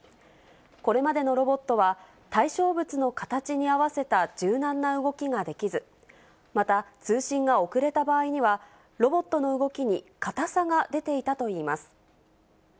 これまでのロボットは、対象物の形に合わせた柔軟な動きができず、また通信が遅れた場合には、ロボットの動きに硬さが出ていたといいます。